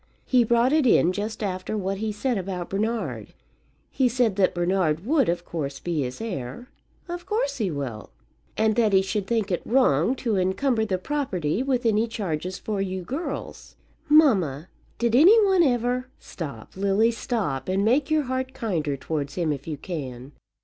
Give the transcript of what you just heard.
He brought it in just after what he said about Bernard. He said that Bernard would, of course, be his heir." "Of course he will." "And that he should think it wrong to encumber the property with any charges for you girls." "Mamma, did any one ever " "Stop, Lily, stop; and make your heart kinder towards him if you can."